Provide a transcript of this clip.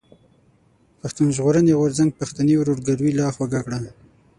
پښتون ژغورني غورځنګ پښتني ورورګلوي لا خوږه کړه.